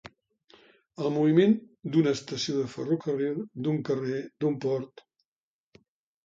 El moviment d'una estació de ferrocarril, d'un carrer, d'un port.